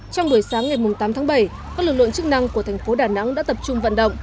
trong buổi sáng ngày tám tháng bảy các lực lượng chức năng của thành phố đà nẵng đã tập trung vận động